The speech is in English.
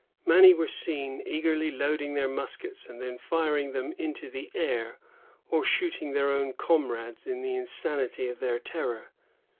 Many were seen eagerly loading their muskets, and then firing them into the air, or shooting their own comrades in the insanity of their terror.